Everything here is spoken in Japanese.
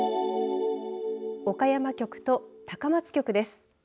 岡山局と高松局です。